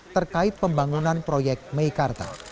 terkait pembangunan proyek meikarta